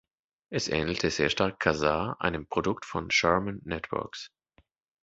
Es ähnelt sehr stark Kazaa, einem Produkt von "Sharman Networks".